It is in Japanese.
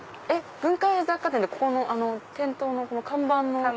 文化屋雑貨店ってここの店頭の看板の。